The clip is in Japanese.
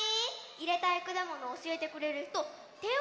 いれたいくだものをおしえてくれるひとてをあげて！